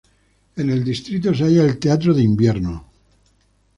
En el distrito se halla el Teatro de Invierno.